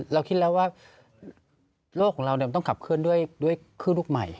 เราคิดแล้วว่าโลกของเรามันต้องขับเคลื่อนด้วยคลื่นลูกใหม่